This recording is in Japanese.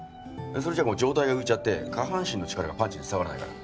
それじゃ上体が浮いちゃって下半身の力がパンチに伝わらないから。